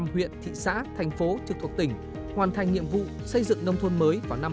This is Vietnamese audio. bốn mươi huyện thị xã thành phố trực thuộc tỉnh hoàn thành nhiệm vụ xây dựng nông thôn mới vào năm hai nghìn hai mươi năm